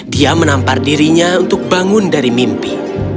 dia menampar dirinya untuk bangun dari mimpi